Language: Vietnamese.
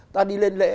ta đi lên lễ